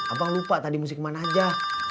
abang lupa tadi musik mana aja